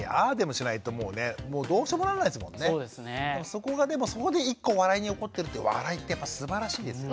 そこがでもそこで１個笑いに起こってるって笑いってやっぱすばらしいですよ。